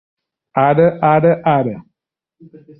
Ara, ara, ara...